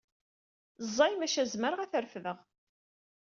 Ẓẓay maca zemreɣ ad t-refdeɣ.